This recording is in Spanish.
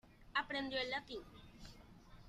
Aprendió el latín.